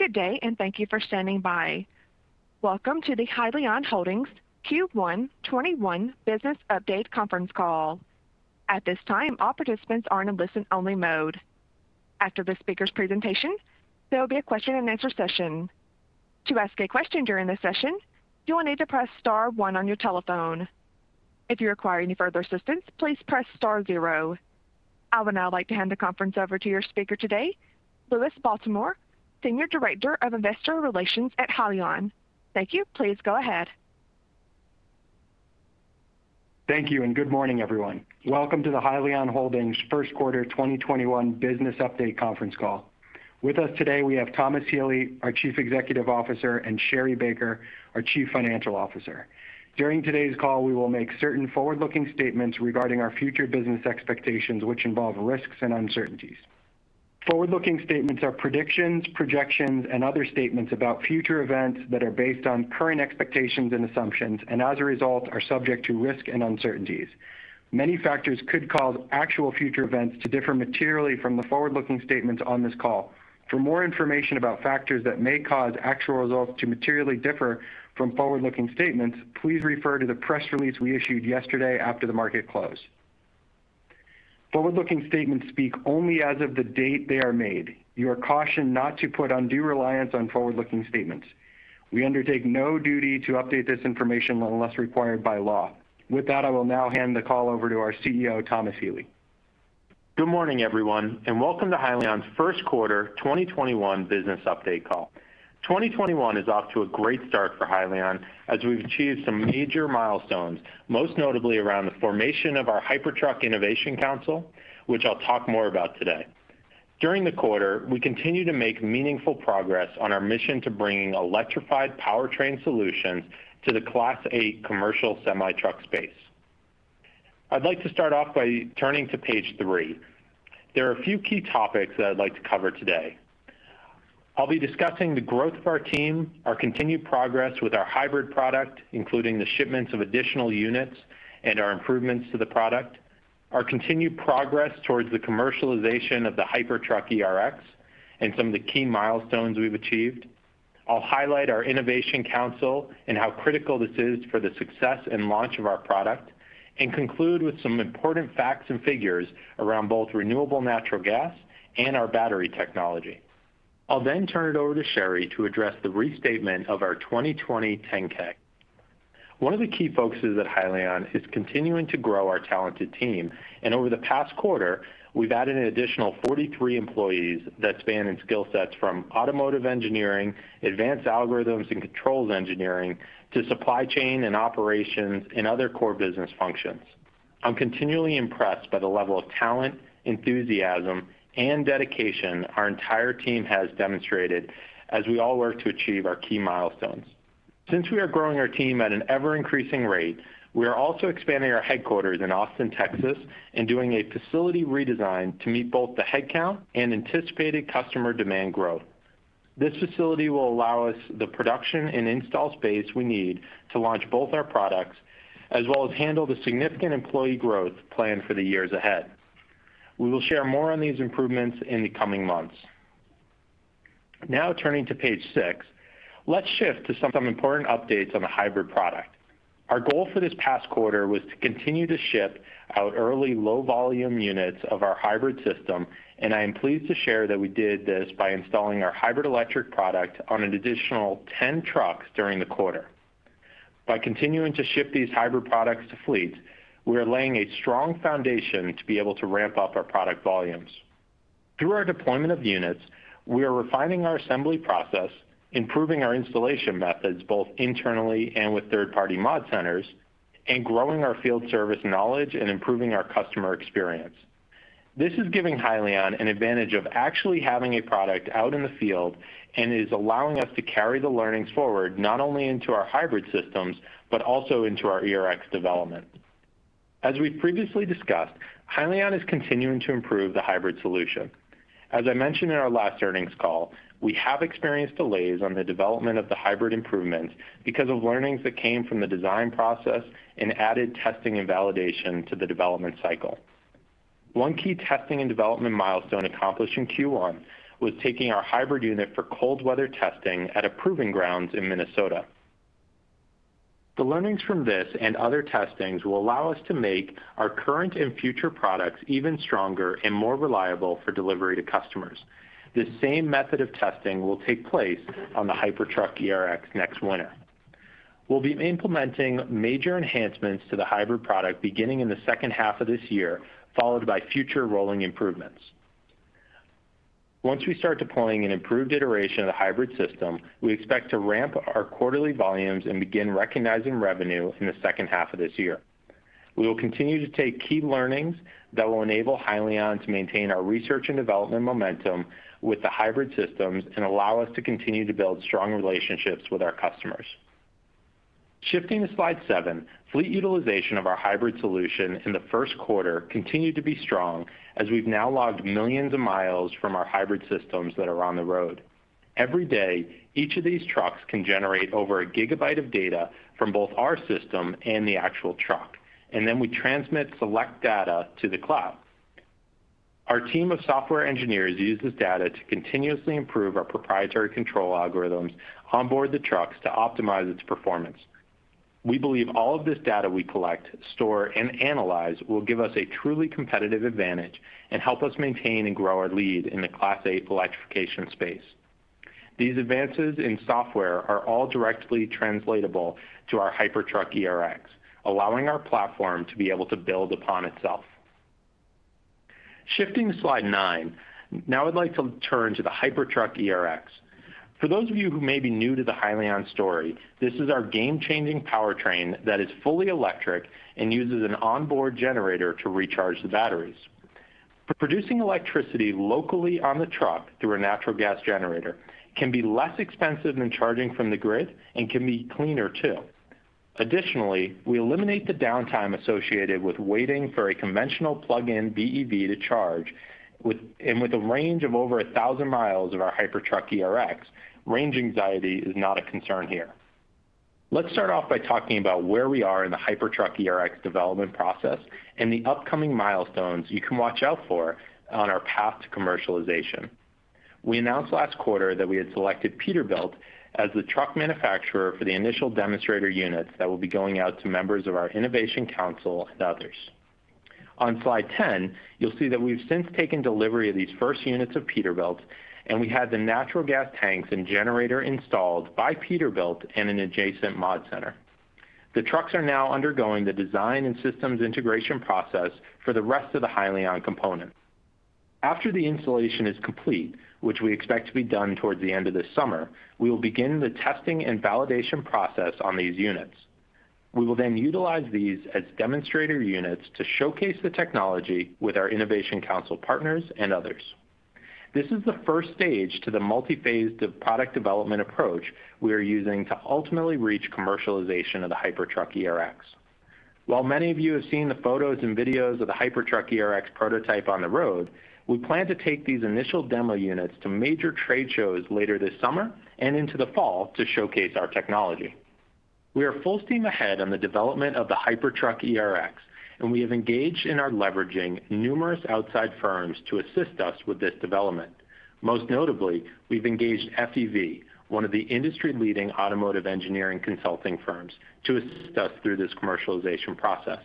Good day, and thank you for standing by. Welcome to the Hyliion Holdings Q1 2021 Business Update Conference Call. At this time, all participants are in a listen-only mode. After the speakers' presentation, there will be a question-and-answer session. To ask a question during this session, you will need to press star one on your telephone. If you require any further assistance, please press star zero. I would now like to hand the conference over to your speaker today, Louis Baltimore, Senior Director of Investor Relations at Hyliion. Thank you. Please go ahead. Thank you, and good morning, everyone. Welcome to the Hyliion Holdings First Quarter 2021 Business Update Conference Call. With us today, we have Thomas Healy, our Chief Executive Officer, and Sherri Baker, our Chief Financial Officer. During today's call, we will make certain forward-looking statements regarding our future business expectations, which involve risks and uncertainties. Forward-looking statements are predictions, projections, and other statements about future events that are based on current expectations and assumptions, and as a result, are subject to risk and uncertainties. Many factors could cause actual future events to differ materially from the forward-looking statements on this call. For more information about factors that may cause actual results to materially differ from forward-looking statements, please refer to the press release we issued yesterday after the market close. Forward-looking statements speak only as of the date they are made. You are cautioned not to put undue reliance on forward-looking statements. We undertake no duty to update this information unless required by law. With that, I will now hand the call over to our CEO, Thomas Healy. Good morning, everyone, and welcome to Hyliion's First Quarter 2021 Business Update Call. 2021 is off to a great start for Hyliion as we've achieved some major milestones, most notably around the formation of our Hypertruck Innovation Council, which I'll talk more about today. During the quarter, we continued to make meaningful progress on our mission to bringing electrified powertrain solutions to the Class 8 commercial semi-truck space. I'd like to start off by turning to page three. There are a few key topics that I'd like to cover today. I'll be discussing the growth of our team, our continued progress with our hybrid product, including the shipments of additional units and our improvements to the product, our continued progress towards the commercialization of the Hypertruck ERX, and some of the key milestones we've achieved. I'll highlight our innovation council and how critical this is for the success and launch of our product, and conclude with some important facts and figures around both renewable natural gas and our battery technology. I'll then turn it over to Sherri to address the restatement of our 2020 10-K. One of the key focuses at Hyliion is continuing to grow our talented team, and over the past quarter, we've added an additional 43 employees that span in skill sets from automotive engineering, advanced algorithms and controls engineering, to supply chain and operations, and other core business functions. I'm continually impressed by the level of talent, enthusiasm, and dedication our entire team has demonstrated as we all work to achieve our key milestones. Since we are growing our team at an ever-increasing rate, we are also expanding our headquarters in Austin, Texas, and doing a facility redesign to meet both the headcount and anticipated customer demand growth. This facility will allow us the production and install space we need to launch both our products, as well as handle the significant employee growth planned for the years ahead. We will share more on these improvements in the coming months. Now turning to page six, let's shift to some important updates on the hybrid product. Our goal for this past quarter was to continue to ship out early low-volume units of our hybrid system, and I am pleased to share that we did this by installing our hybrid electric product on an additional 10 trucks during the quarter. By continuing to ship these hybrid products to fleet, we are laying a strong foundation to be able to ramp up our product volumes. Through our deployment of units, we are refining our assembly process, improving our installation methods, both internally and with third-party mod centers, and growing our field service knowledge and improving our customer experience. This is giving Hyliion an advantage of actually having a product out in the field and is allowing us to carry the learnings forward, not only into our hybrid systems, but also into our ERX development. As we've previously discussed, Hyliion is continuing to improve the hybrid solution. As I mentioned in our last earnings call, we have experienced delays on the development of the hybrid improvements because of learnings that came from the design process and added testing and validation to the development cycle. One key testing and development milestone accomplished in Q1 was taking our hybrid unit for cold weather testing at a proving grounds in Minnesota. The learnings from this and other testings will allow us to make our current and future products even stronger and more reliable for delivery to customers. This same method of testing will take place on the Hypertruck ERX next winter. We'll be implementing major enhancements to the hybrid product beginning in the second half of this year, followed by future rolling improvements. Once we start deploying an improved iteration of the hybrid system, we expect to ramp our quarterly volumes and begin recognizing revenue in the second half of this year. We will continue to take key learnings that will enable Hyliion to maintain our research and development momentum with the hybrid systems and allow us to continue to build strong relationships with our customers. Shifting to slide seven, fleet utilization of our hybrid solution in the first quarter continued to be strong as we've now logged millions of miles from our hybrid systems that are on the road. Every day, each of these trucks can generate over a gigabyte of data from both our system and the actual truck, and then we transmit select data to the cloud. Our team of software engineers use this data to continuously improve our proprietary control algorithms onboard the trucks to optimize its performance. We believe all of this data we collect, store, and analyze will give us a truly competitive advantage and help us maintain and grow our lead in the Class 8 electrification space. These advances in software are all directly translatable to our Hypertruck ERX, allowing our platform to be able to build upon itself. Shifting to slide nine, now I'd like to turn to the Hypertruck ERX. For those of you who may be new to the Hyliion story, this is our game-changing powertrain that is fully electric and uses an onboard generator to recharge the batteries. Producing electricity locally on the truck through a natural gas generator can be less expensive than charging from the grid and can be cleaner too. Additionally, we eliminate the downtime associated with waiting for a conventional plug-in BEV to charge, and with a range of over 1,000 miles of our Hypertruck ERX, range anxiety is not a concern here. Let's start off by talking about where we are in the Hypertruck ERX development process and the upcoming milestones you can watch out for on our path to commercialization. We announced last quarter that we had selected Peterbilt as the truck manufacturer for the initial demonstrator units that will be going out to members of our Innovation Council and others. On slide 10, you'll see that we've since taken delivery of these first units of Peterbilt, and we had the natural gas tanks and generator installed by Peterbilt in an adjacent mod center. The trucks are now undergoing the design and systems integration process for the rest of the Hyliion components. After the installation is complete, which we expect to be done towards the end of this summer, we will begin the testing and validation process on these units. We will then utilize these as demonstrator units to showcase the technology with our Innovation Council partners and others. This is the first stage to the multi-phased product development approach we are using to ultimately reach commercialization of the Hypertruck ERX. While many of you have seen the photos and videos of the Hypertruck ERX prototype on the road, we plan to take these initial demo units to major trade shows later this summer and into the fall to showcase our technology. We are full steam ahead on the development of the Hypertruck ERX, and we have engaged in our leveraging numerous outside firms to assist us with this development. Most notably, we've engaged FEV, one of the industry-leading automotive engineering consulting firms, to assist us through this commercialization process.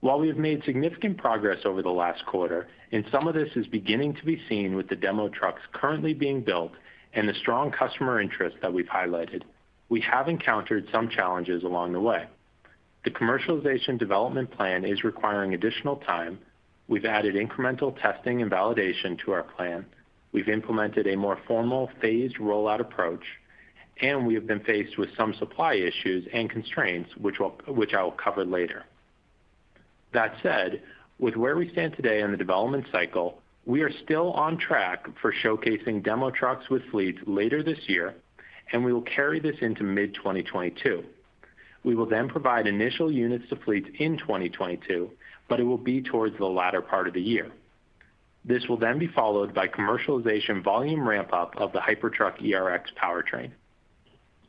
While we have made significant progress over the last quarter, and some of this is beginning to be seen with the demo trucks currently being built and the strong customer interest that we've highlighted, we have encountered some challenges along the way. The commercialization development plan is requiring additional time. We've added incremental testing and validation to our plan. We've implemented a more formal phased rollout approach, and we have been faced with some supply issues and constraints, which I'll cover later. That said, with where we stand today in the development cycle, we are still on track for showcasing demo trucks with fleets later this year, and we will carry this into mid-2022. We will then provide initial units to fleets in 2022, but it will be towards the latter part of the year. This will then be followed by commercialization volume ramp-up of the Hypertruck ERX powertrain.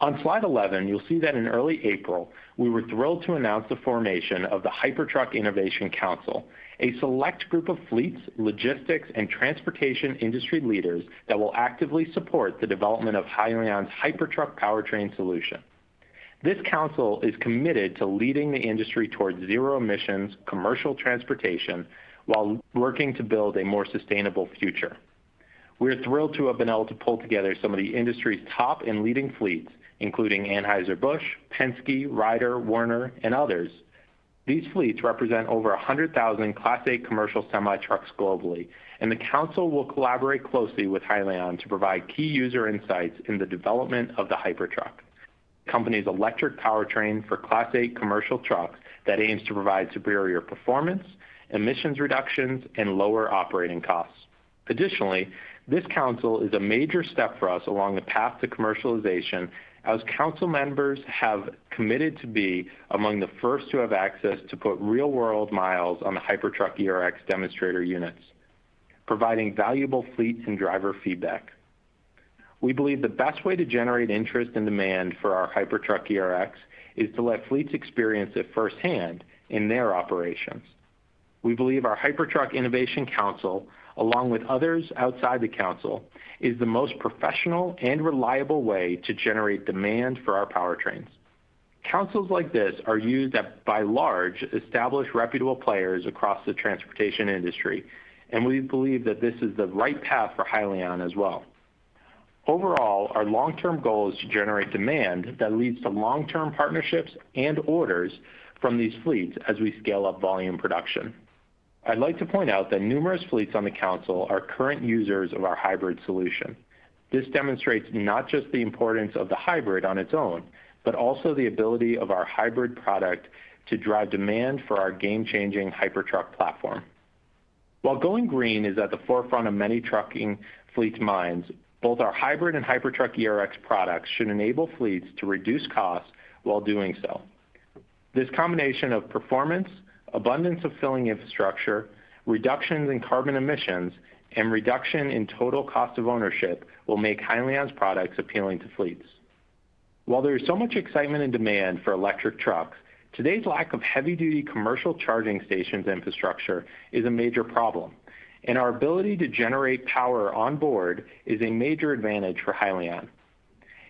On slide 11, you'll see that in early April, we were thrilled to announce the formation of the Hypertruck Innovation Council, a select group of fleets, logistics, and transportation industry leaders that will actively support the development of Hyliion's Hypertruck powertrain solution. This council is committed to leading the industry towards zero emissions commercial transportation while working to build a more sustainable future. We are thrilled to have been able to pull together some of the industry's top and leading fleets, including Anheuser-Busch, Penske, Ryder, Werner, and others. These fleets represent over 100,000 Class 8 commercial semi trucks globally, and the council will collaborate closely with Hyliion to provide key user insights in the development of the Hypertruck, the company's electric powertrain for Class 8 commercial trucks that aims to provide superior performance, emissions reductions, and lower operating costs. This council is a major step for us along the path to commercialization, as council members have committed to be among the first to have access to put real-world miles on the Hypertruck ERX demonstrator units, providing valuable fleets and driver feedback. We believe the best way to generate interest and demand for our Hypertruck ERX is to let fleets experience it firsthand in their operations. We believe our Hypertruck Innovation Council, along with others outside the council, is the most professional and reliable way to generate demand for our powertrains. Councils like this are used by large, established reputable players across the transportation industry, we believe that this is the right path for Hyliion as well. Our long-term goal is to generate demand that leads to long-term partnerships and orders from these fleets as we scale up volume production. I'd like to point out that numerous fleets on the Council are current users of our hybrid solution. This demonstrates not just the importance of the hybrid on its own, but also the ability of our hybrid product to drive demand for our game-changing Hypertruck platform. While going green is at the forefront of many trucking fleets' minds, both our hybrid and Hypertruck ERX products should enable fleets to reduce costs while doing so. This combination of performance, abundance of filling infrastructure, reductions in carbon emissions, and reduction in total cost of ownership will make Hyliion's products appealing to fleets. While there is so much excitement and demand for electric trucks, today's lack of heavy-duty commercial charging stations infrastructure is a major problem, and our ability to generate power on board is a major advantage for Hyliion.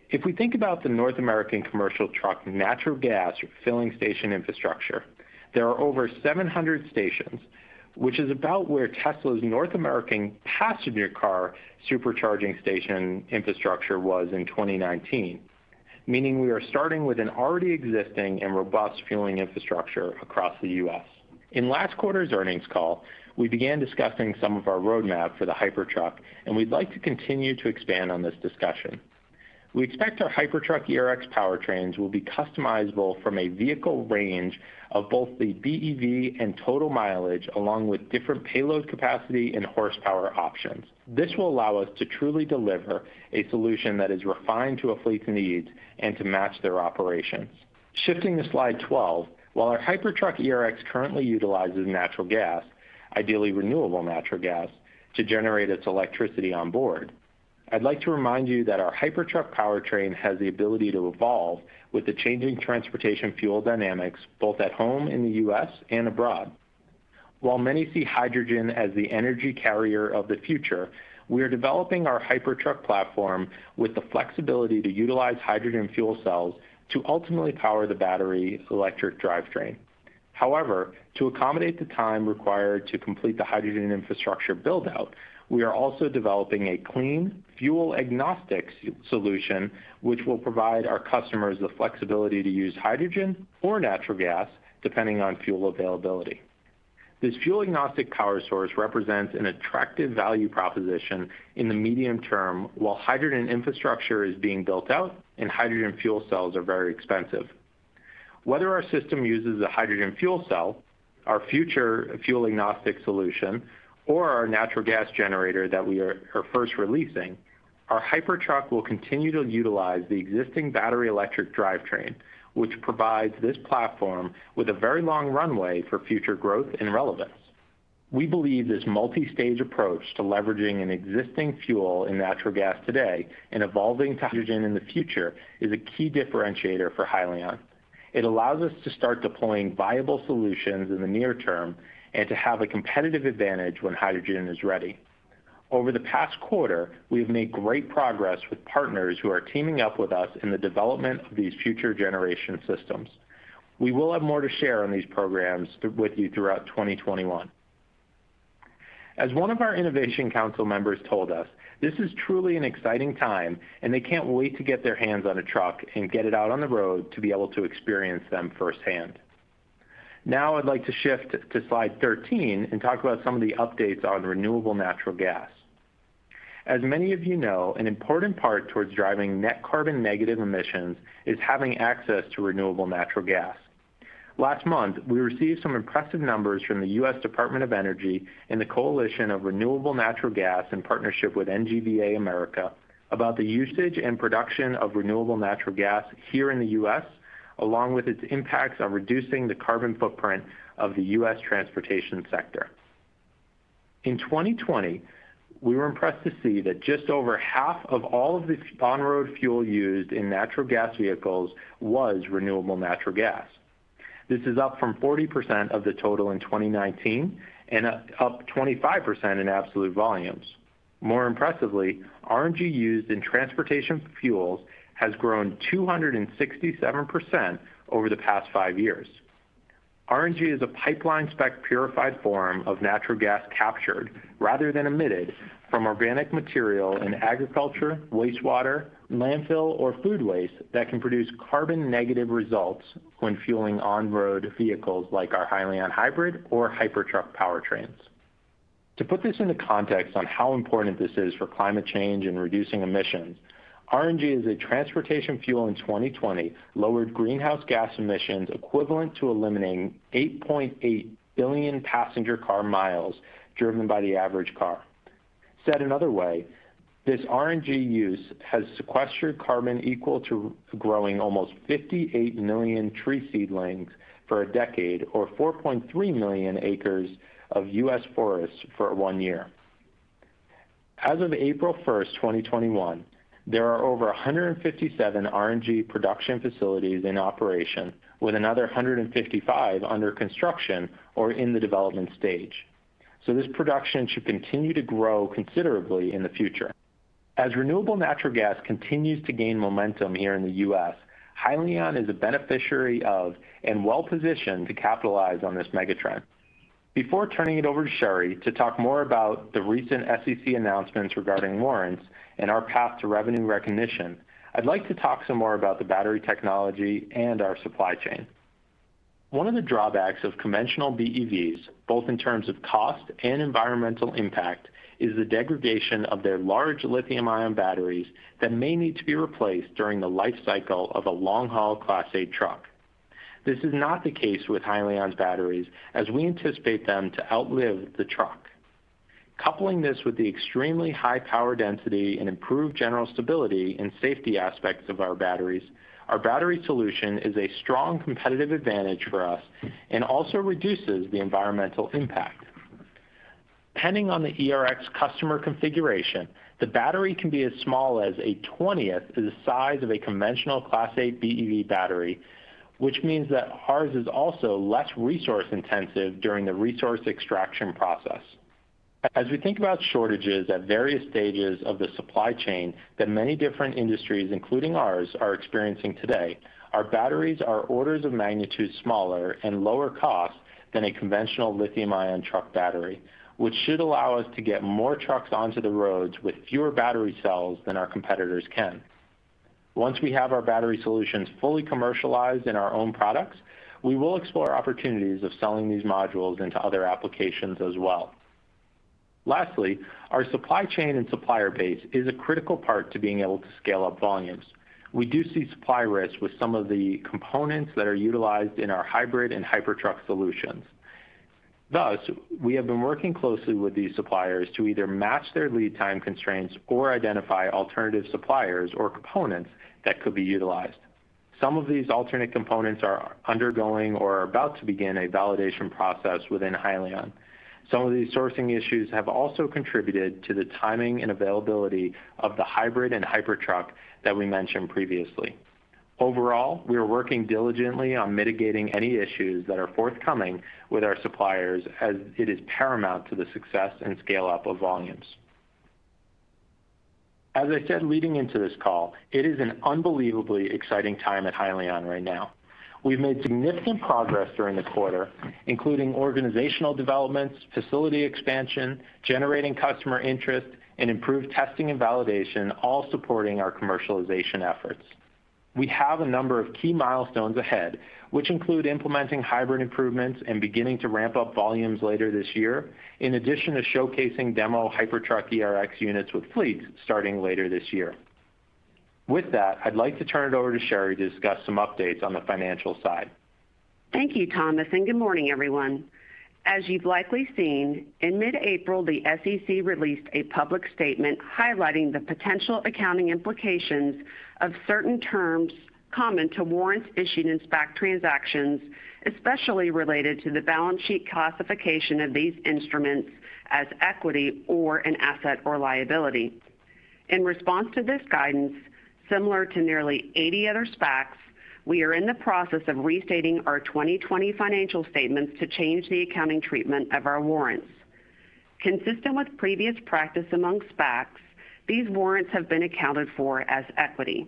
If we think about the North American commercial truck natural gas filling station infrastructure, there are over 700 stations, which is about where Tesla's North American passenger car supercharging station infrastructure was in 2019, meaning we are starting with an already existing and robust fueling infrastructure across the U.S. In last quarter's earnings call, we began discussing some of our roadmap for the Hypertruck, and we'd like to continue to expand on this discussion. We expect our Hypertruck ERX powertrains will be customizable from a vehicle range of both the BEV and total mileage, along with different payload capacity and horsepower options. This will allow us to truly deliver a solution that is refined to a fleet's needs and to match their operations. Shifting to slide 12, while our Hypertruck ERX currently utilizes natural gas, ideally renewable natural gas, to generate its electricity on board, I'd like to remind you that our Hypertruck powertrain has the ability to evolve with the changing transportation fuel dynamics both at home in the U.S. and abroad. While many see hydrogen as the energy carrier of the future, we are developing our Hypertruck platform with the flexibility to utilize hydrogen fuel cells to ultimately power the battery's electric drivetrain. However, to accommodate the time required to complete the hydrogen infrastructure build-out, we are also developing a clean fuel agnostic solution, which will provide our customers the flexibility to use hydrogen or natural gas depending on fuel availability. This fuel agnostic power source represents an attractive value proposition in the medium term while hydrogen infrastructure is being built out and hydrogen fuel cells are very expensive. Whether our system uses a hydrogen fuel cell, our future fuel agnostic solution, or our natural gas generator that we are first releasing, our Hypertruck will continue to utilize the existing battery electric drivetrain, which provides this platform with a very long runway for future growth and relevance. We believe this multi-stage approach to leveraging an existing fuel in natural gas today and evolving to hydrogen in the future is a key differentiator for Hyliion. It allows us to start deploying viable solutions in the near term and to have a competitive advantage when hydrogen is ready. Over the past quarter, we have made great progress with partners who are teaming up with us in the development of these future generation systems. We will have more to share on these programs with you throughout 2021. As one of our innovation council members told us, this is truly an exciting time, and they can't wait to get their hands on a truck and get it out on the road to be able to experience them firsthand. Now, I'd like to shift to slide 13 and talk about some of the updates on renewable natural gas. As many of you know, an important part towards driving net carbon negative emissions is having access to renewable natural gas. Last month, we received some impressive numbers from the U.S. Department of Energy and the Coalition for Renewable Natural Gas in partnership with NGVAmerica about the usage and production of renewable natural gas here in the U.S., along with its impacts on reducing the carbon footprint of the U.S. transportation sector. In 2020, we were impressed to see that just over half of all of the on-road fuel used in natural gas vehicles was renewable natural gas. This is up from 40% of the total in 2019 and up 25% in absolute volumes. More impressively, RNG used in transportation fuels has grown 267% over the past five years. RNG is a pipeline spec purified form of natural gas captured rather than emitted from organic material in agriculture, wastewater, landfill, or food waste that can produce carbon negative results when fueling on-road vehicles like our Hyliion hybrid or Hypertruck powertrains. To put this into context on how important this is for climate change and reducing emissions, RNG as a transportation fuel in 2020 lowered greenhouse gas emissions equivalent to eliminating 8.8 billion passenger car miles driven by the average car. Said another way, this RNG use has sequestered carbon equal to growing almost 58 million tree seedlings for a decade or 4.3 million acres of U.S. forests for one year. As of April 1st, 2021, there are over 157 RNG production facilities in operation with another 155 under construction or in the development stage, so this production should continue to grow considerably in the future. As renewable natural gas continues to gain momentum here in the U.S., Hyliion is a beneficiary of and well-positioned to capitalize on this mega trend. Before turning it over to Sherri to talk more about the recent SEC announcements regarding warrants and our path to revenue recognition, I'd like to talk some more about the battery technology and our supply chain. One of the drawbacks of conventional BEVs, both in terms of cost and environmental impact, is the degradation of their large lithium-ion batteries that may need to be replaced during the life cycle of a long-haul Class 8 truck. This is not the case with Hyliion's batteries, as we anticipate them to outlive the truck. Coupling this with the extremely high power density and improved general stability and safety aspects of our batteries, our battery solution is a strong competitive advantage for us and also reduces the environmental impact. Depending on the ERX customer configuration, the battery can be as small as a 20th to the size of a conventional Class 8 BEV battery, which means that ours is also less resource intensive during the resource extraction process. As we think about shortages at various stages of the supply chain that many different industries, including ours, are experiencing today, our batteries are orders of magnitude smaller and lower cost than a conventional lithium-ion truck battery, which should allow us to get more trucks onto the roads with fewer battery cells than our competitors can. Once we have our battery solutions fully commercialized in our own products, we will explore opportunities of selling these modules into other applications as well. Lastly, our supply chain and supplier base is a critical part to being able to scale up volumes. We do see supply risks with some of the components that are utilized in our hybrid and Hypertruck solutions. Thus, we have been working closely with these suppliers to either match their lead time constraints or identify alternative suppliers or components that could be utilized. Some of these alternate components are undergoing or are about to begin a validation process within Hyliion. Some of these sourcing issues have also contributed to the timing and availability of the hybrid and Hypertruck that we mentioned previously. Overall, we are working diligently on mitigating any issues that are forthcoming with our suppliers as it is paramount to the success and scale-up of volumes. As I said leading into this call, it is an unbelievably exciting time at Hyliion right now. We've made significant progress during the quarter, including organizational developments, facility expansion, generating customer interest, and improved testing and validation, all supporting our commercialization efforts. We have a number of key milestones ahead, which include implementing hybrid improvements and beginning to ramp up volumes later this year, in addition to showcasing demo Hypertruck ERX units with fleets starting later this year With that, I'd like to turn it over to Sherri to discuss some updates on the financial side. Thank you, Thomas, and good morning, everyone. As you've likely seen, in mid-April, the SEC released a public statement highlighting the potential accounting implications of certain terms common to warrants issued in SPAC transactions, especially related to the balance sheet classification of these instruments as equity or an asset or liability. In response to this guidance, similar to nearly 80 other SPACs, we are in the process of restating our 2020 financial statements to change the accounting treatment of our warrants. Consistent with previous practice among SPACs, these warrants have been accounted for as equity.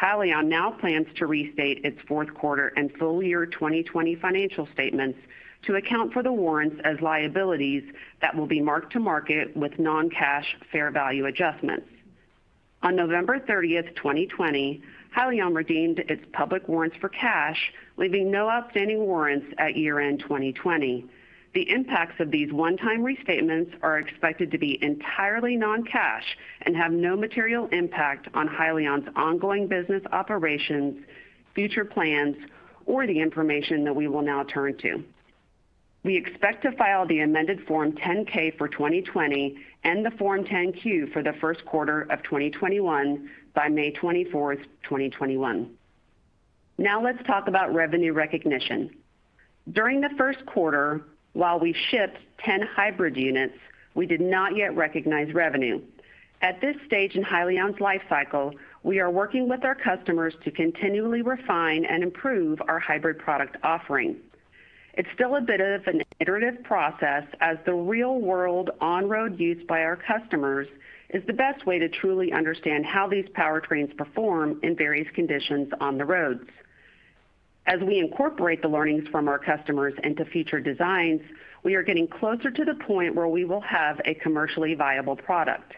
Hyliion now plans to restate its fourth quarter and full year 2020 financial statements to account for the warrants as liabilities that will be marked to market with non-cash fair value adjustments. On November 30th, 2020, Hyliion redeemed its public warrants for cash, leaving no outstanding warrants at year-end 2020. The impacts of these one-time restatements are expected to be entirely non-cash and have no material impact on Hyliion's ongoing business operations, future plans, or the information that we will now turn to. We expect to file the amended Form 10-K for 2020 and the Form 10-Q for the first quarter of 2021 by May 24th, 2021. Now let's talk about revenue recognition. During the first quarter, while we shipped 10 hybrid units, we did not yet recognize revenue. At this stage in Hyliion's lifecycle, we are working with our customers to continually refine and improve our hybrid product offering. It's still a bit of an iterative process as the real-world on-road use by our customers is the best way to truly understand how these powertrains perform in various conditions on the roads. As we incorporate the learnings from our customers into future designs, we are getting closer to the point where we will have a commercially viable product.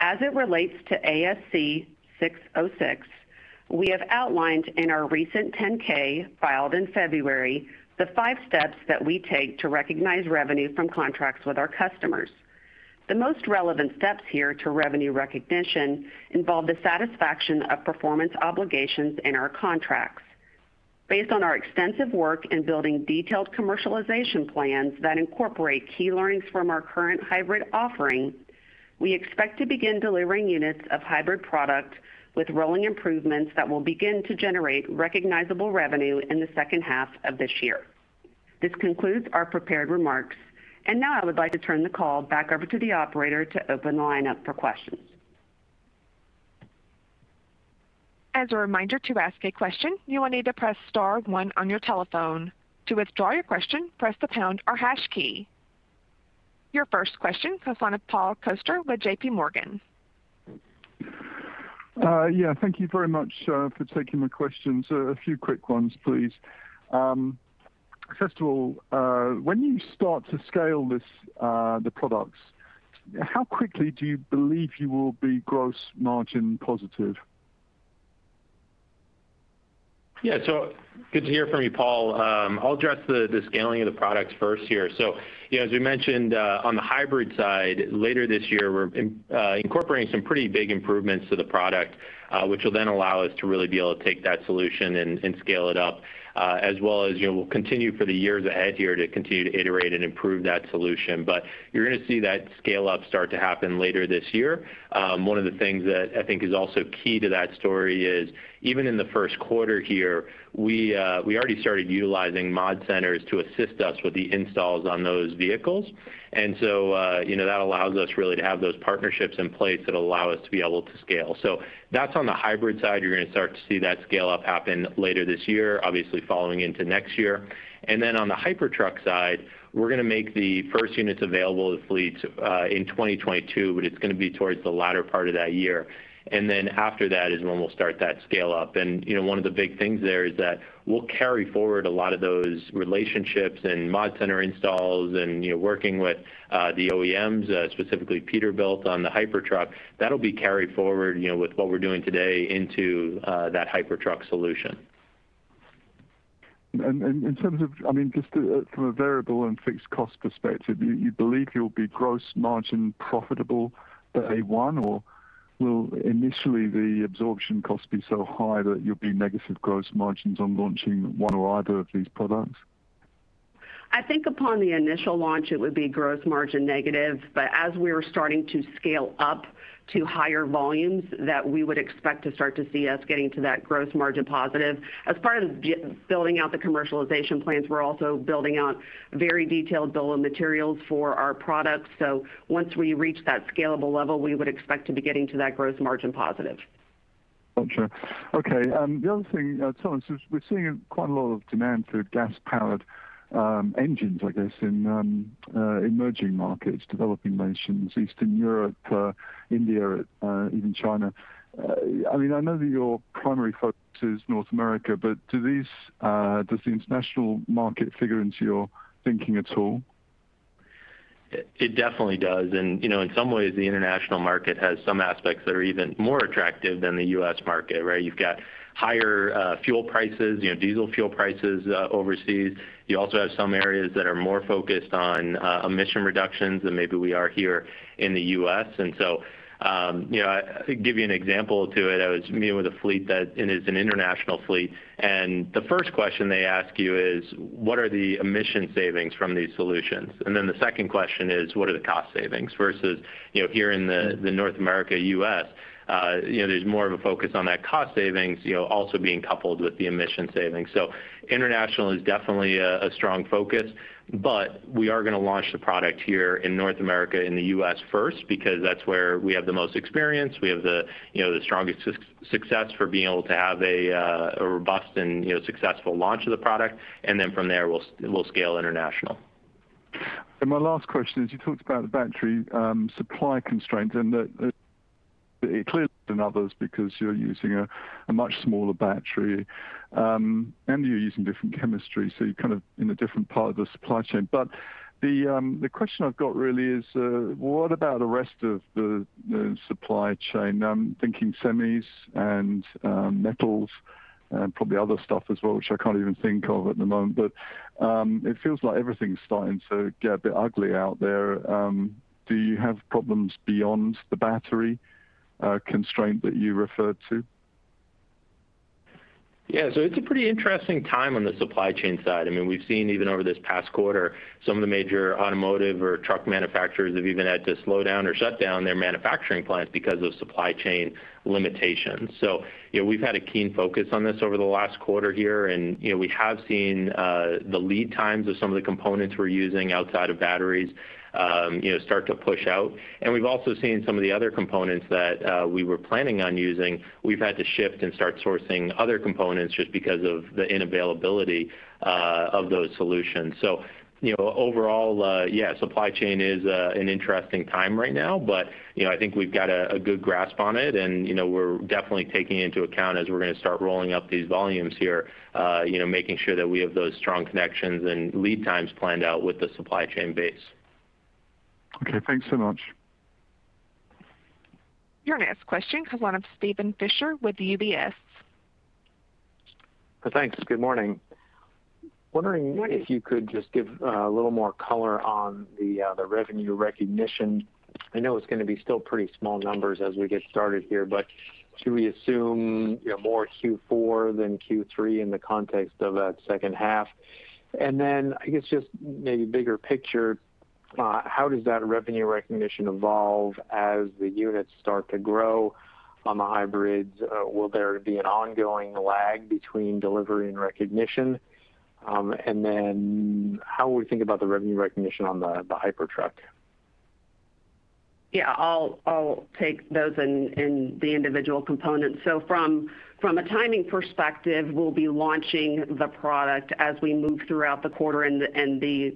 As it relates to ASC 606, we have outlined in our recent 10-K filed in February, the five steps that we take to recognize revenue from contracts with our customers. The most relevant steps here to revenue recognition involve the satisfaction of performance obligations in our contracts. Based on our extensive work in building detailed commercialization plans that incorporate key learnings from our current hybrid offering, we expect to begin delivering units of hybrid product with rolling improvements that will begin to generate recognizable revenue in the second half of this year. This concludes our prepared remarks. Now I would like to turn the call back over to the operator to open the line up for questions. As a reminder, to ask a question, you will need to press star one on your telephone. To withdraw your question, press the pound or hash key. Your first question comes on with Paul Coster with JPMorgan. Yeah. Thank you very much for taking my questions. A few quick ones, please. First of all, when you start to scale the products, how quickly do you believe you will be gross margin positive? Yeah. Good to hear from you, Paul. I'll address the scaling of the products first here. As we mentioned on the hybrid side, later this year, we're incorporating some pretty big improvements to the product, which will then allow us to really be able to take that solution and scale it up, as well as we'll continue for the years ahead here to continue to iterate and improve that solution. You're going to see that scale up start to happen later this year. One of the things that I think is also key to that story is even in the first quarter here, we already started utilizing mod centers to assist us with the installs on those vehicles. That allows us really to have those partnerships in place that allow us to be able to scale. That's on the hybrid side. You're going to start to see that scale up happen later this year, obviously following into next year. On the Hypertruck side, we're going to make the first units available to fleets in 2022, but it's going to be towards the latter part of that year. After that is when we'll start that scale up. One of the big things there is that we'll carry forward a lot of those relationships and mod center installs and working with the OEMs, specifically Peterbilt on the Hypertruck. That'll be carried forward with what we're doing today into that Hypertruck solution. In terms of just from a variable and fixed cost perspective, you believe you'll be gross margin profitable by day one? Or will initially the absorption cost be so high that you'll be negative gross margins on launching one or either of these products? I think upon the initial launch, it would be gross margin negative. As we're starting to scale up to higher volumes, that we would expect to start to see us getting to that gross margin positive. As part of building out the commercialization plans, we're also building out a very detailed bill of materials for our products. Once we reach that scalable level, we would expect to be getting to that gross margin positive. Got you. Okay. The other thing, Thomas, is we're seeing quite a lot of demand for gas-powered engines, I guess, in emerging markets, developing nations, Eastern Europe, India, even China. I know that your primary focus is North America, but does the international market figure into your thinking at all? It definitely does, and in some ways, the international market has some aspects that are even more attractive than the U.S. market, right? You've got higher fuel prices, diesel fuel prices overseas. You also have some areas that are more focused on emission reductions than maybe we are here in the U.S. To give you an example to it, I was meeting with a fleet that it is an international fleet, and the first question they ask you is, "What are the emission savings from these solutions?" The second question is, "What are the cost savings?" Versus here in the North America, U.S., there's more of a focus on that cost savings, also being coupled with the emission savings. International is definitely a strong focus, but we are going to launch the product here in North America, in the U.S. first because that's where we have the most experience. We have the strongest success for being able to have a robust and successful launch of the product. from there, we'll scale international. My last question is, you talked about the battery supply constraint and that it clearly than others because you're using a much smaller battery, and you're using different chemistry, so you're kind of in a different part of the supply chain. The question I've got really is, what about the rest of the supply chain? I'm thinking semis and metals and probably other stuff as well, which I can't even think of at the moment, but it feels like everything's starting to get a bit ugly out there. Do you have problems beyond the battery constraint that you referred to? Yeah. It's a pretty interesting time on the supply chain side. We've seen even over this past quarter, some of the major automotive or truck manufacturers have even had to slow down or shut down their manufacturing plants because of supply chain limitations. We've had a keen focus on this over the last quarter here, and we have seen the lead times of some of the components we're using outside of batteries start to push out. We've also seen some of the other components that we were planning on using, we've had to shift and start sourcing other components just because of the unavailability of those solutions. Overall, yeah, supply chain is an interesting time right now, but I think we've got a good grasp on it. We're definitely taking into account as we're going to start rolling up these volumes here, making sure that we have those strong connections and lead times planned out with the supply chain base. Okay. Thanks so much. Your next question comes line of Steven Fisher with UBS. Thanks. Good morning. Wondering if you could just give a little more color on the revenue recognition. I know it's going to be still pretty small numbers as we get started here, but should we assume more Q4 than Q3 in the context of that second half? I guess just maybe bigger picture, how does that revenue recognition evolve as the units start to grow on the hybrids? Will there be an ongoing lag between delivery and recognition? how would we think about the revenue recognition on the Hypertruck? Yeah, I'll take those in the individual components. From a timing perspective, we'll be launching the product as we move throughout the quarter, and the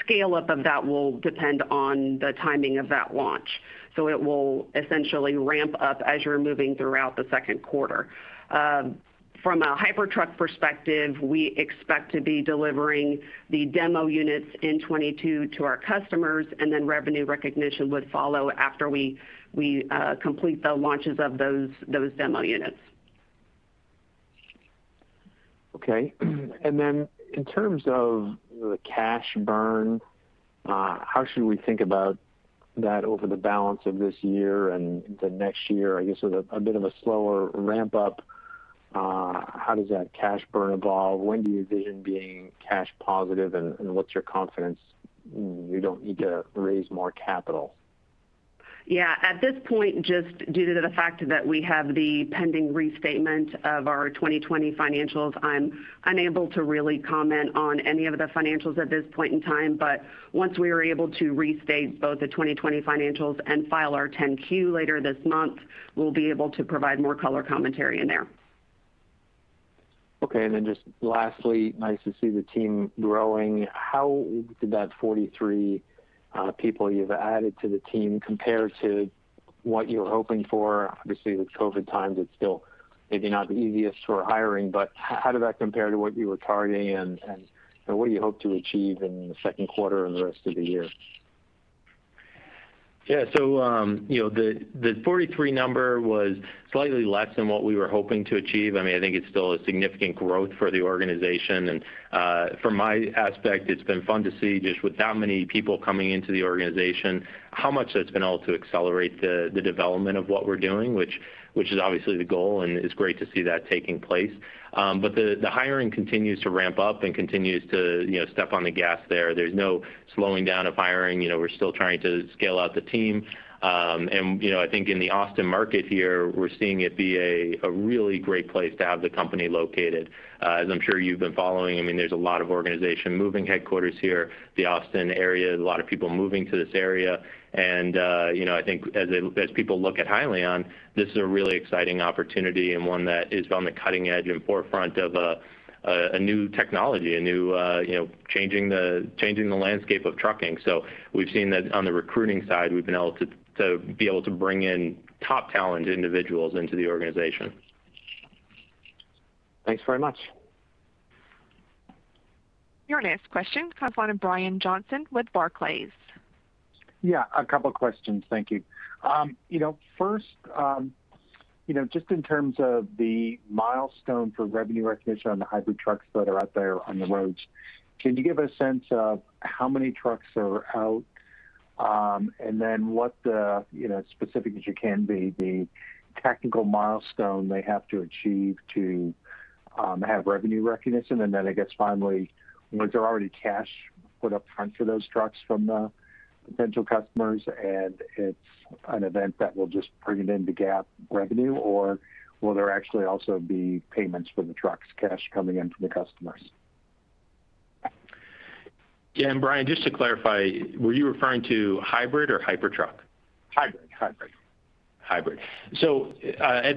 scale up of that will depend on the timing of that launch. It will essentially ramp up as you're moving throughout the second quarter. From a Hypertruck perspective, we expect to be delivering the demo units in 2022 to our customers, and then revenue recognition would follow after we complete the launches of those demo units. Okay. in terms of the cash burn, how should we think about that over the balance of this year and the next year? I guess with a bit of a slower ramp-up, how does that cash burn evolve? When do you envision being cash positive, and what's your confidence you don't need to raise more capital? Yeah. At this point, just due to the fact that we have the pending restatement of our 2020 financials, I'm unable to really comment on any of the financials at this point in time. Once we are able to restate both the 2020 financials and file our 10-Q later this month, we'll be able to provide more color commentary in there. Okay, just lastly, nice to see the team growing. How did that 43 people you've added to the team compare to what you were hoping for? Obviously, with COVID times, it's still maybe not the easiest for hiring. How did that compare to what you were targeting, and what do you hope to achieve in the second quarter and the rest of the year? Yeah. The 43 number was slightly less than what we were hoping to achieve. I think it's still a significant growth for the organization. From my aspect, it's been fun to see, just with that many people coming into the organization, how much that's been able to accelerate the development of what we're doing, which is obviously the goal, and it's great to see that taking place. The hiring continues to ramp up and continues to step on the gas there. There's no slowing down of hiring. We're still trying to scale out the team. I think in the Austin market here, we're seeing it be a really great place to have the company located. As I'm sure you've been following, there's a lot of organization moving headquarters here, the Austin area, a lot of people moving to this area. I think as people look at Hyliion, this is a really exciting opportunity and one that is on the cutting edge and forefront of a new technology, changing the landscape of trucking. we've seen that on the recruiting side, we've been able to bring in top talent individuals into the organization. Thanks very much. Your next question comes from Brian Johnson with Barclays. Yeah, a couple questions. Thank you. First, just in terms of the milestone for revenue recognition on the hybrid trucks that are out there on the roads, can you give a sense of how many trucks are out? what the, specific as you can be, the technical milestone they have to achieve to have revenue recognition? I guess, finally, was there already cash put up front for those trucks from the potential customers, and it's an event that will just bring it into GAAP revenue, or will there actually also be payments for the trucks, cash coming in from the customers? Yeah. Brian, just to clarify, were you referring to hybrid or Hypertruck? Hybrid. Hybrid. At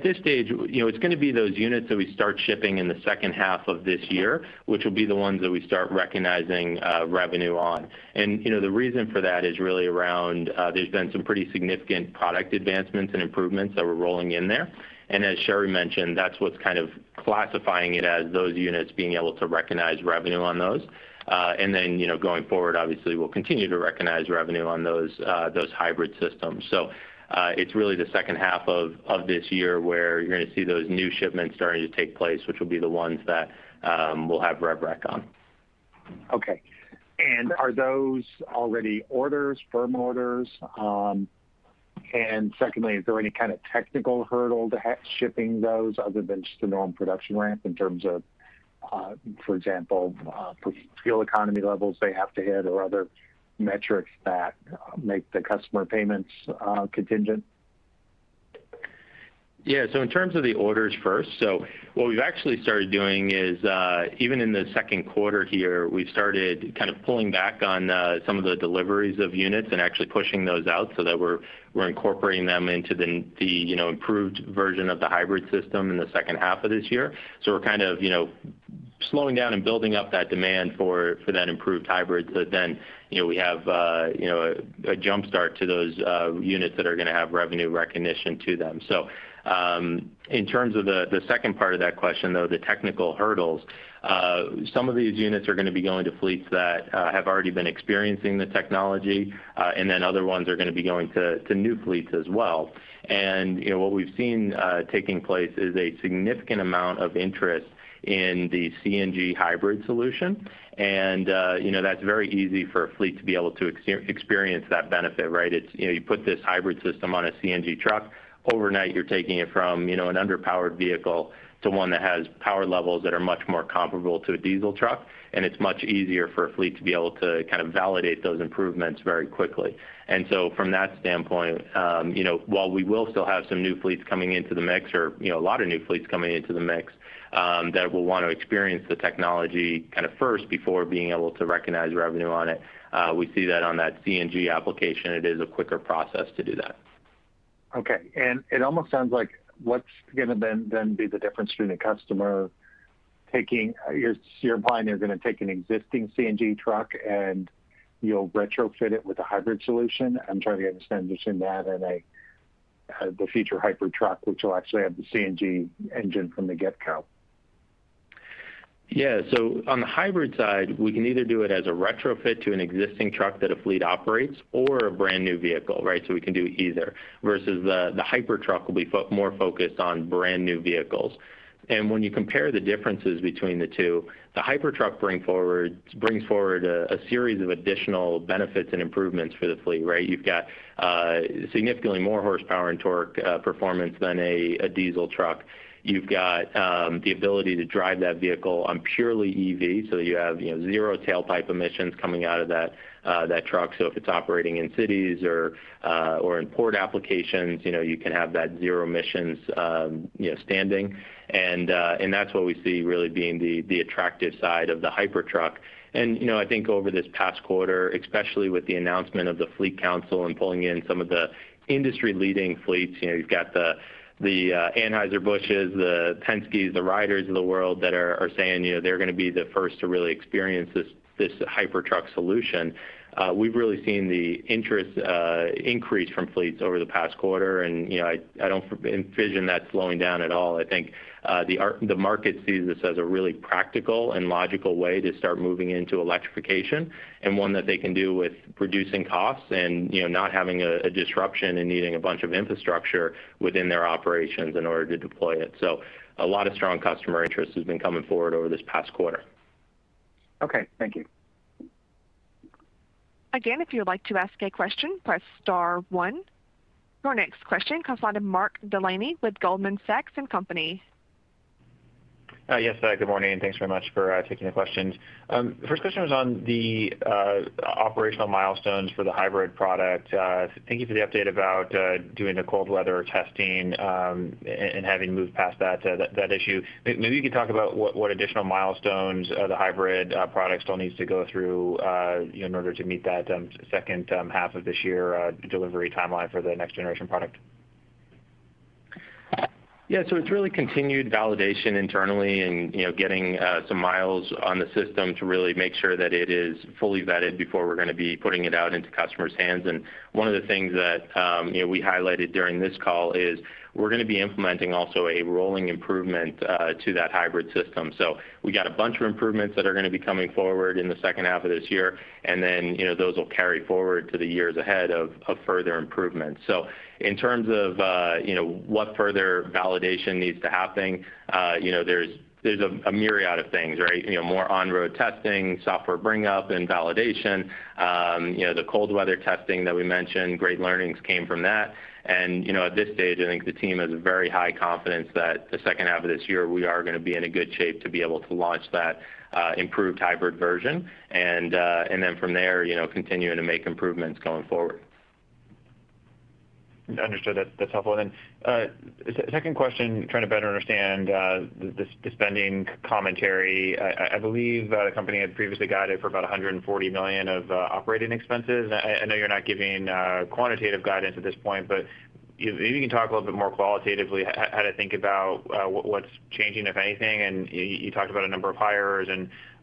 this stage, it's going to be those units that we start shipping in the second half of this year, which will be the ones that we start recognizing revenue on. The reason for that is really around, there's been some pretty significant product advancements and improvements that we're rolling in there. As Sherri mentioned, that's what's kind of classifying it as those units being able to recognize revenue on those. Going forward, obviously, we'll continue to recognize revenue on those hybrid systems. It's really the second half of this year where you're going to see those new shipments starting to take place, which will be the ones that we'll have rev rec on. Okay. Are those already firm orders? Secondly, is there any kind of technical hurdle to shipping those other than just the normal production ramp in terms of, for example, fuel economy levels they have to hit or other metrics that make the customer payments contingent? Yeah. In terms of the orders first, so what we've actually started doing is, even in the second quarter here, we've started pulling back on some of the deliveries of units and actually pushing those out so that we're incorporating them into the improved version of the hybrid system in the second half of this year. We're kind of slowing down and building up that demand for that improved hybrid so that then we have a jumpstart to those units that are going to have revenue recognition to them. In terms of the second part of that question, though, the technical hurdles, some of these units are going to be going to fleets that have already been experiencing the technology, and then other ones are going to be going to new fleets as well. What we've seen taking place is a significant amount of interest in the CNG hybrid solution. That's very easy for a fleet to be able to experience that benefit, right? You put this hybrid system on a CNG truck. Overnight, you're taking it from an underpowered vehicle to one that has power levels that are much more comparable to a diesel truck, and it's much easier for a fleet to be able to validate those improvements very quickly. From that standpoint, while we will still have some new fleets coming into the mix or a lot of new fleets coming into the mix that will want to experience the technology first before being able to recognize revenue on it, we see that on that CNG application, it is a quicker process to do that. Okay. it almost sounds like what's going to then be the difference between a customer taking, you're implying they're going to take an existing CNG truck and you'll retrofit it with a hybrid solution? I'm trying to understand between that and the future Hypertruck, which will actually have the CNG engine from the get-go. Yeah. On the hybrid side, we can either do it as a retrofit to an existing truck that a fleet operates or a brand-new vehicle. We can do either. Versus the Hypertruck will be more focused on brand-new vehicles. When you compare the differences between the two, the Hypertruck brings forward a series of additional benefits and improvements for the fleet. You've got significantly more horsepower and torque performance than a diesel truck. You've got the ability to drive that vehicle on purely EV, so you have zero tailpipe emissions coming out of that truck. If it's operating in cities or in port applications, you can have that zero emissions standing. That's what we see really being the attractive side of the Hypertruck. I think over this past quarter, especially with the announcement of the Fleet Council and pulling in some of the industry-leading fleets, you've got the Anheuser-Busch's, the Penske's, the Ryder's of the world that are saying they're going to be the first to really experience this Hypertruck solution. We've really seen the interest increase from fleets over the past quarter, and I don't envision that slowing down at all. I think the market sees this as a really practical and logical way to start moving into electrification, and one that they can do with reducing costs and not having a disruption and needing a bunch of infrastructure within their operations in order to deploy it. A lot of strong customer interest has been coming forward over this past quarter. Okay, thank you. Again, if you would like to ask a question, press star one. Your next question comes on to Mark Delaney with Goldman Sachs & Co Yes. Good morning, and thanks very much for taking the questions. First question was on the operational milestones for the hybrid product. Thank you for the update about doing the cold weather testing and having moved past that issue. Maybe you could talk about what additional milestones the hybrid product still needs to go through in order to meet that second half of this year delivery timeline for the next generation product. Yeah. it's really continued validation internally and getting some miles on the system to really make sure that it is fully vetted before we're going to be putting it out into customers' hands. One of the things that we highlighted during this call is we're going to be implementing also a rolling improvement to that hybrid system. We got a bunch of improvements that are going to be coming forward in the second half of this year, and then those will carry forward to the years ahead of further improvements. In terms of what further validation needs to happen, there's a myriad of things, more on-road testing, software bring up and validation. The cold weather testing that we mentioned, great learnings came from that. at this stage, I think the team has very high confidence that the second half of this year, we are going to be in a good shape to be able to launch that improved hybrid version. from there, continuing to make improvements going forward. Understood. That's helpful. Second question, trying to better understand the spending commentary. I believe the company had previously guided for about $140 million of operating expenses. I know you're not giving quantitative guidance at this point, but maybe you can talk a little bit more qualitatively how to think about what's changing, if anything. You talked about a number of hires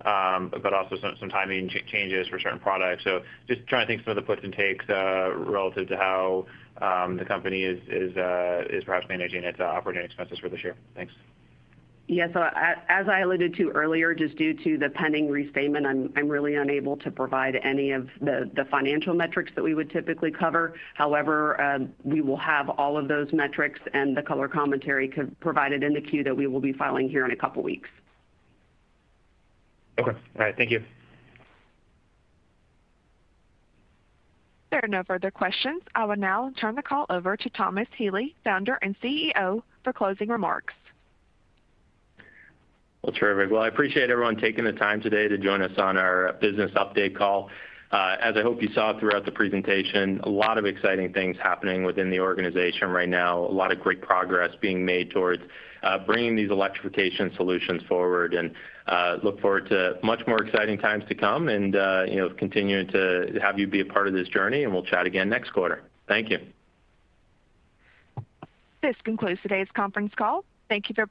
but also some timing changes for certain products. Just trying to think some of the puts and takes relative to how the company is perhaps managing its operating expenses for this year. Thanks. Yeah. As I alluded to earlier, just due to the pending restatement, I'm really unable to provide any of the financial metrics that we would typically cover. However, we will have all of those metrics and the color commentary provided in the Q that we will be filing here in a couple of weeks. Okay. All right. Thank you. There are no further questions. I will now turn the call over to Thomas Healy, Founder and CEO, for closing remarks. Well, terrific. Well, I appreciate everyone taking the time today to join us on our business update call. As I hope you saw throughout the presentation, a lot of exciting things happening within the organization right now. A lot of great progress being made towards bringing these electrification solutions forward, and look forward to much more exciting times to come and continuing to have you be a part of this journey, and we'll chat again next quarter. Thank you. This concludes today's conference call. Thank you for-